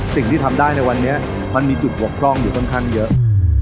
สิ่งที่ทำได้ในวันนี้มันมีจุดบกพร่องอยู่ค่อนข้างเยอะ